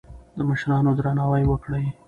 د مشرانو درناوی وکړئ.